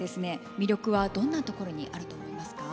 魅力はどんなところにあると思いますか？